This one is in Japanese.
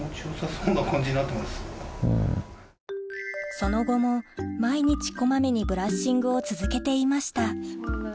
その後も毎日こまめにブラッシングを続けていました